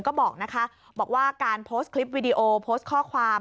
ก็บอกนะคะบอกว่าการโพสต์คลิปวิดีโอโพสต์ข้อความ